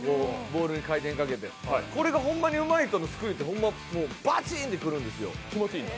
ボールに回転かけて、これがホンマにうまい人のはホンマバチンてくるんですよ。